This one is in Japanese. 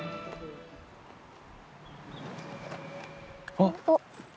あっ！